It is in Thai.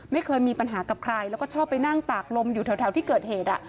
ไม่เคยมีปัญหากับใครแล้วก็ชอบไปนั่งตากลมอยู่แถวที่เกิดเหตุ